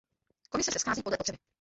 Komise se schází podle potřeby.